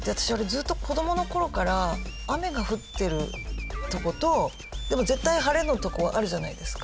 ずーっと子供の頃から雨が降ってるとことでも絶対晴れのとこあるじゃないですか。